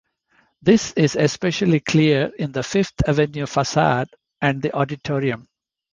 This is especially clear in the Fifth Avenue facade and the auditorium.